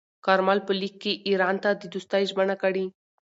کارمل په لیک کې ایران ته د دوستۍ ژمنه کړې.